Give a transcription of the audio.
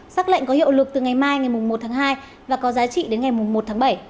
xác lệnh có hiệu lực từ ngày mai ngày một tháng hai và có giá trị đến ngày một tháng bảy